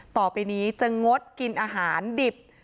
ต่อไปนี้จะงดกินอาหารดิบ